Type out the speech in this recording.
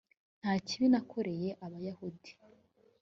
nta kibi nakoreye abayahudi